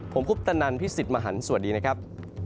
ผมคุปตะนันพี่สิทธิ์มหันฯสวัสดีนะครับ